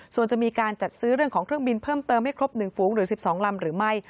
ส่วนจะมีการจัดซื้อเรื่องของเครื่องบินเพิ่มเติมให้ครบ๑ฝูงหรือ๑๒ลำหรือไม่